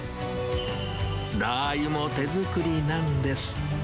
ラー油も手作りなんです。